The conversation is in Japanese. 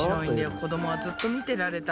子供はずっと見てられた。